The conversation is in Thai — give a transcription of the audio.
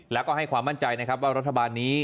แล้วก็ให้ความมั่นใจนะครับว่ารัฐบาลนี้